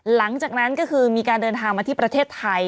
หลังจากนั้นก็คือมีการเดินทางมาที่ประเทศไทย